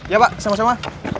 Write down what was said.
ya pak sama sama